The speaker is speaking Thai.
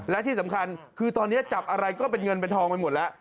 และที่สำคัญคือตอนนี้จับอะไรก็เป็นเงินเป็นทองไปหมดแล้ว